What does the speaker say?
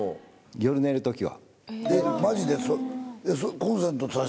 夜寝る時は。